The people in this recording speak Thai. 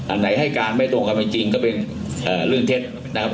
ไหนให้การไม่ตรงกันจริงก็เป็นเรื่องเท็จนะครับ